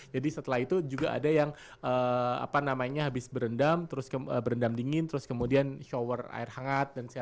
jadi setelah itu juga ada yang habis berendam terus berendam dingin terus kemudian shower air hangat